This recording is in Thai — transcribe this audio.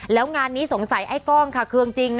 แล้วงานนี้สงสัยไอ้กล้องค่ะเครื่องจริง